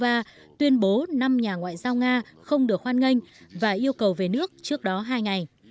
nga tuyên bố năm nhà ngoại giao nga không được hoan nghênh và yêu cầu về nước trước đó hai ngày